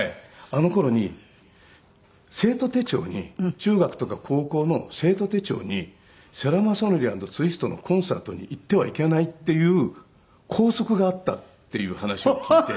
あの頃に生徒手帳に中学とか高校の生徒手帳に世良公則＆ツイストのコンサートに行ってはいけないっていう校則があったっていう話を聞いて。